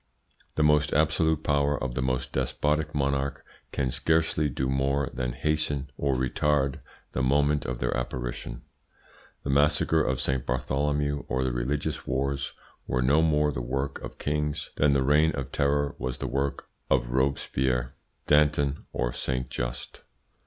The most absolute power of the most despotic monarch can scarcely do more than hasten or retard the moment of their apparition. The massacre of Saint Bartholomew or the religious wars were no more the work of kings than the Reign of Terror was the work of Robespierre, Danton, or Saint Just.